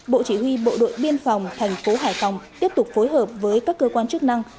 bộ chỉ huy bộ đội biên phòng thành phố hải phòng tiếp tục phối hợp với các cơ quan chức năng